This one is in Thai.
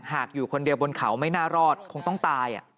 อยู่คนเดียวบนเขาไม่น่ารอดคงต้องตาย